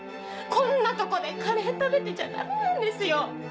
こんなとこでカレー食べてちゃダメなんですよ！